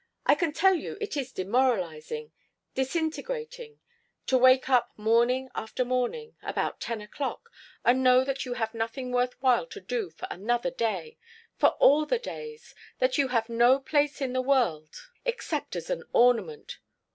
"I can tell you it is demoralizing, disintegrating, to wake up morning after morning about ten o'clock! and know that you have nothing worth while to do for another day for all the days! that you have no place in the world except as an ornament!